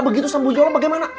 begitu sama bu yola bagaimana